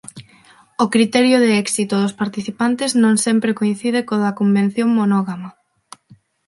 O criterio de éxito dos participantes non sempre coincide co da convención monógama.